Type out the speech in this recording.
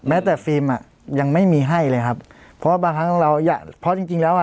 แต่ฟิล์มอ่ะยังไม่มีให้เลยครับเพราะบางครั้งเราอ่ะเพราะจริงจริงแล้วอ่ะ